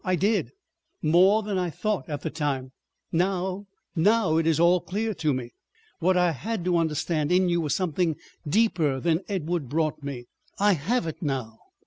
I did. More than I thought at the time. Now—now it is all clear to me. What I had to understand in you was something deeper than Edward brought me. I have it now.